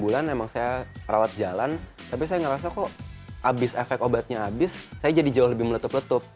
enam bulan emang saya rawat jalan tapi saya ngerasa kok habis efek obatnya habis saya jadi jauh lebih meletup letup